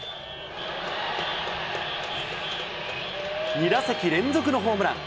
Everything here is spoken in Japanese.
２打席連続のホームラン。